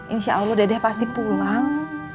insya allah dedeh pasti pulang